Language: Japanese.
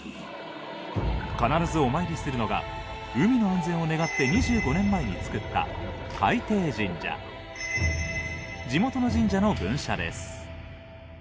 必ずお参りするのが海の安全を願って２５年前につくった地元の神社の分社です。